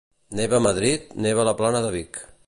Neva a Madrid, neva a la plana de Vic.